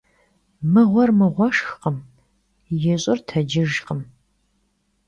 Mığuer mığueş'khım, yiş'ır tecıjjkhım.